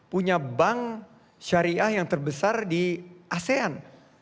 punya bank syariah yang terbesar di asean